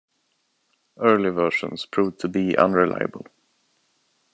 Early versions proved to be unreliable.